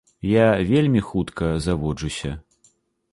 Я вельмі хутка заводжуся.